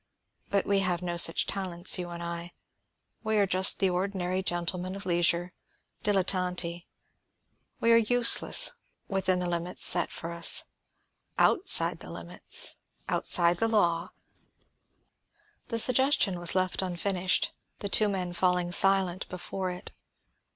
But we have no such talents, you and I; we are just the ordinary gentlemen of leisure, dilettanti. We are useless, within the limits set for us. Outside the limits, outside the law " The suggestion was left unfinished, the two men falling silent before it.